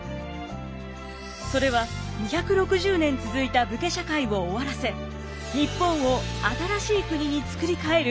それは２６０年続いた武家社会を終わらせ日本を新しい国につくり変える